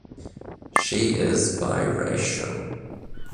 She is biracial.